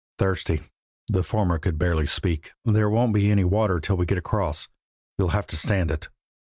"Thirsty!" The former could barely speak. "There won't be any water till we get across. You'll have to stand it."